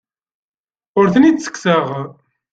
Ur ten-id-ttekkseɣ.